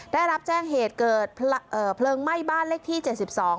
ได้รับแจ้งเหตุเกิดเอ่อเพลิงไหม้บ้านเลขที่เจ็ดสิบสอง